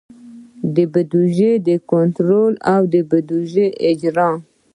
د بودیجې کنټرول او د بودیجې اجرا.